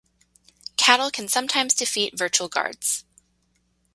Cattle can sometimes defeat virtual guards.